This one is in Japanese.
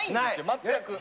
全く。